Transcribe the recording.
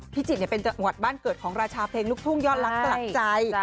จิตเป็นจังหวัดบ้านเกิดของราชาเพลงลูกทุ่งยอดรักสลักใจ